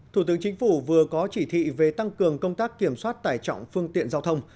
thủ tướng chính phủ vừa có chỉ thị về tăng cường công tác kiểm soát tải trọng phương tiện giao thông